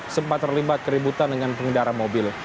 sempat terlibat keributan dengan pengendara mobil